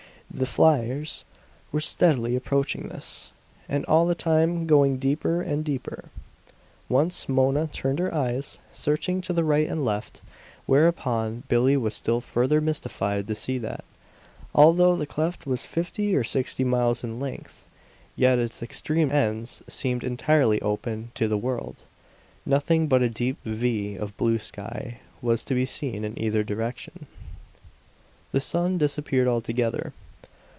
The fliers were steadily approaching this, and all the time going deeper and deeper. Once Mona turned her eyes searching to the right and left; whereupon Billie was still further mystified to see that, although the cleft was fifty or sixty miles in length, yet its extreme ends seemed entirely open to the world. Nothing but a deep "V" of blue sky was to be seen in either direction. The sun disappeared altogether.